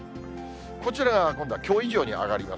こちら、今度はきょう以上に上がります。